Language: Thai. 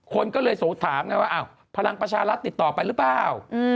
คนก็เลยถามไงว่าอ้าวพลังประชารัฐติดต่อไปหรือเปล่า